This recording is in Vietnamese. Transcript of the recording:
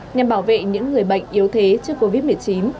nhằm bảo vệ những người bệnh yếu thế trước covid một mươi chín